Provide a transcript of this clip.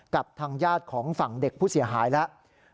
กับทางญาติของฝั่งเด็กผู้เสียหายแล้ว